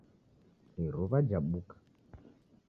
Iruwa jabuka